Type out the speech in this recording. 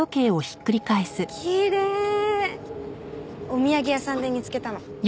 お土産屋さんで見つけたの。